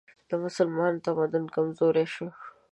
د مسلمانانو تمدن کمزوری شو